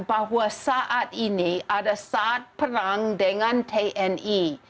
bahwa saat ini ada saat perang dengan tni